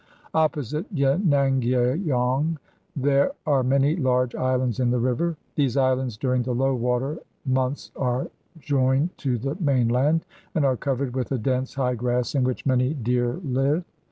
Opposite Yenangyaung there are many large islands in the river. These islands during the low water months are joined to the mainland, and are covered with a dense high grass in which many deer live.